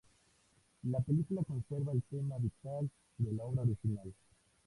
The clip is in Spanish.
La película conserva el tema vital de la obra original.